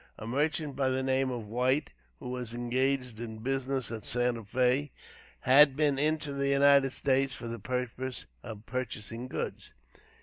A merchant by the name of White, who was engaged in business at Santa Fé, had been into the United States for the purpose of purchasing goods.